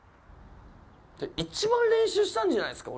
一番練習したんじゃないですか。